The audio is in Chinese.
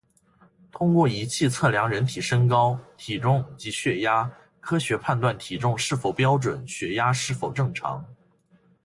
通过仪器测量人体身高、体重及血压，科学判断体重是否标准、血压是否正常